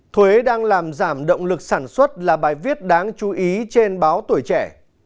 thuế đang làm giảm động lực sản xuất là bài viết đáng chú ý trên báo tuổi trẻ